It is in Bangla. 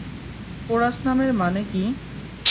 পোরাস নামের মানে কি?